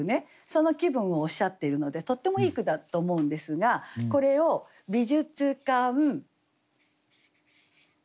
その気分をおっしゃっているのでとってもいい句だと思うんですがこれを「美術館までを」。